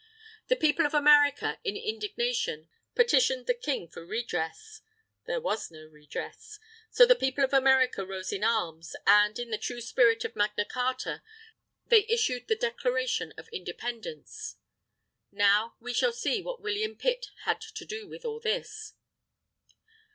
The People of America, in indignation, petitioned the King for redress. There was no redress. So the People of America rose in arms; and, in the true spirit of Magna Carta, they issued the Declaration of Independence. Now, we shall see what William Pitt had to do with all this.